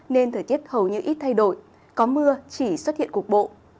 nên thời tiết hầu như ít thay đổi có mưa chỉ xuất hiện cục bộ